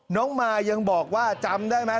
น้องมายังบอกว่าจำได้ไหม